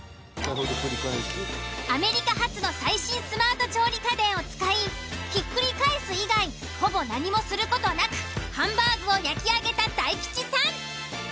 アメリカ発の最新スマート調理家電を使いひっくり返す以外ほぼ何もする事なくハンバーグを焼き上げた大吉さん。